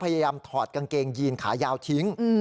พยายามถอดกางเกงยีนขายาวทิ้ง